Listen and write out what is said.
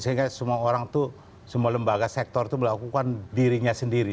sehingga semua orang itu semua lembaga sektor itu melakukan dirinya sendiri